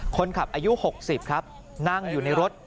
คนขับอายุ๖๐ครับนั่งอยู่ในรถ